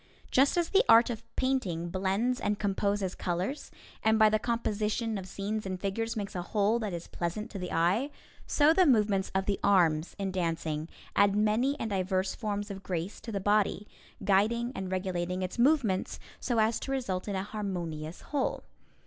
Just as the art of painting blends and composes colors, and by the composition of scenes and figures makes a whole that is pleasant to the eye, so the movements of the arms in dancing add many and diverse forms of grace to the body, guiding and regulating its movements so as to result in a harmonious whole.